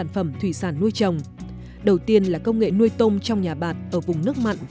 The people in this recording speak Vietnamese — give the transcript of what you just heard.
vâng xin cảm ơn chị mỹ linh